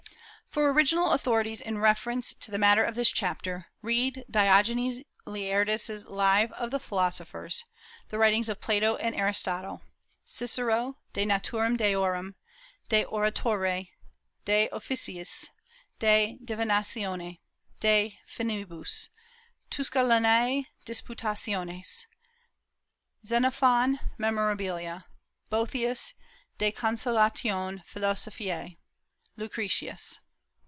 For original authorities in reference to the matter of this chapter, read Diogenes Laertius's Lives of the Philosophers; the Writings of Plato and Aristotle; Cicero, De Natura Deorum, De Oratore, De Officiis, De Divinatione, De Finibus, Tusculanae Disputationes; Xenophon, Memorabilia; Boethius, De Consolatione Philosophiae; Lucretius.